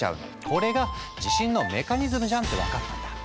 これが地震のメカニズムじゃんって分かったんだ。